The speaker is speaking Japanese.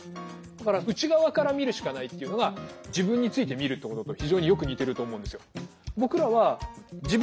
だから内側から見るしかないっていうのが自分について見るってことと非常によく似てると思うんですよ。